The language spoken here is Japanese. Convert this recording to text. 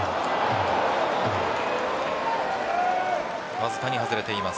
わずかに外れています。